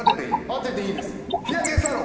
当てていいです